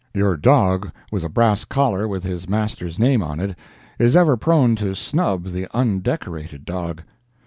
Your dog with a brass collar with his master's name on it, is ever prone to snub the undecorated dog.